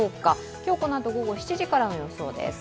今日、このあと午後７時からの予想です。